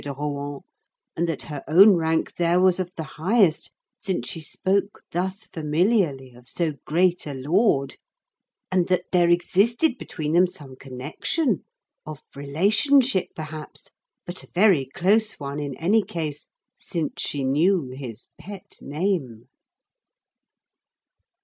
de Rohan, and that her own rank there was of the highest, since she spoke thus familiarly of so great a lord, and that there existed between them some connection, of relationship, perhaps, but a very close one in any case, since she knew his "pet name."